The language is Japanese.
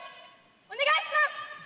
お願いします！